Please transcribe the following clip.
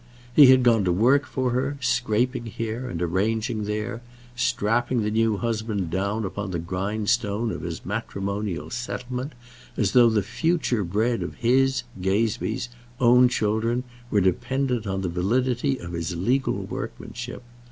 He had gone to work for her, scraping here and arranging there, strapping the new husband down upon the grindstone of his matrimonial settlement, as though the future bread of his, Gazebee's, own children were dependent on the validity of his legal workmanship.